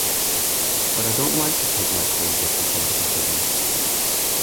But I don't like to take my clothes off in front of everyone.